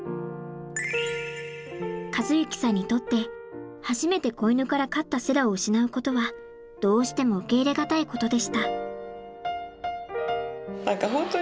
和之さんにとって初めて子犬から飼ったセラを失うことはどうしても受け入れ難いことでした。